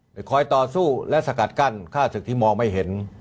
คอยต่อสู้และสกัดกั้นฆ่าศึกที่มองไม่เห็น